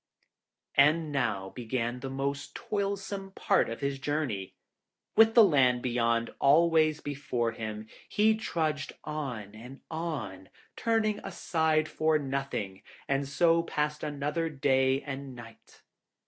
And now began the most toilsome part of his journey. With the land Beyond always before him, he trudged on and on, turning aside for nothing; and so passed another day and night.